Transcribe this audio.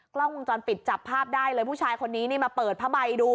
กล้องวงจรปิดจับภาพได้เลยผู้ชายคนนี้นี่มาเปิดผ้าใบดู